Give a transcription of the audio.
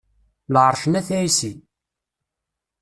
Lɛerc n At ɛisi.